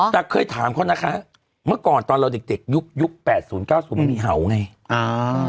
แต่เคยถามเขานะคะเมื่อก่อนตอนเราเด็กเด็กยุคยุคแปดศูนย์เก้าศูนย์มันมีเห่าไงอ่า